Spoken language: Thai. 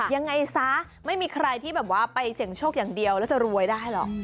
ยังไงซะไม่มีใครที่แบบว่าไปเสี่ยงโชคอย่างเดียวแล้วจะรวยได้หรอก